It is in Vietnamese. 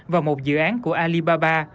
vào một dự án của alibaba